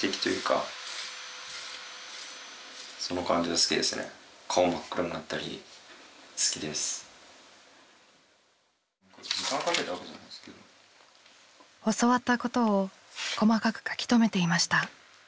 教わったことを細かく書き留めていました。